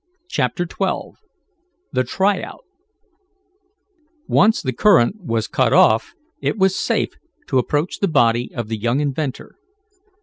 CHAPTER XII THE TRY OUT Once the current was cut off it was safe to approach the body of the young inventor.